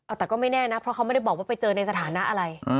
แต่ก็ไม่แน่นะเพราะเขาไม่ได้บอกว่าไปเจอในสถานะอะไร